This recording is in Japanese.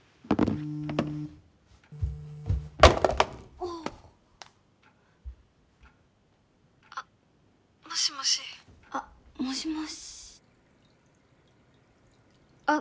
おお☎あっもしもしあっもしもしあっ